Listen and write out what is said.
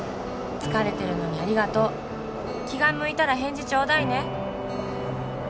疲れてるのにありがとう」「気が向いたら返事ちょうだいね」